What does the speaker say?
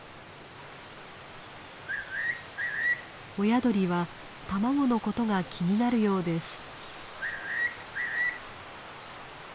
親鳥は卵のことが気になるようです。